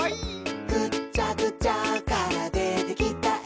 「ぐっちゃぐちゃからでてきたえ」